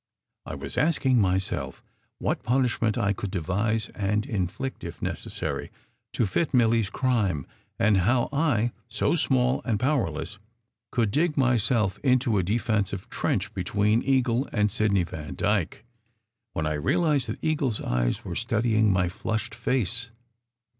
I was asking myself what punish ment I could devise and inflict, if necessary, to fit Milly s crime, and how I so small and powerless could dig my self into a defensive trench between Eagle and Sidney Van dyke, when I realized that Eagle s eyes were studying my flushed face.